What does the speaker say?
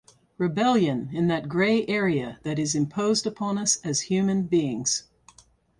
Rebellion in that grey area that is imposed upon us as human beings.